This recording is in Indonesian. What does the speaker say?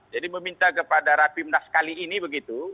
jadi meminta kepada rapimnas kali ini begitu